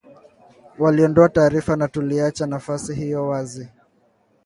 Waliondoa taarifa na tuliacha nafasi hiyo wazi